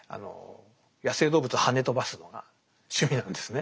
野生動物をはね飛ばすのが趣味なんですね。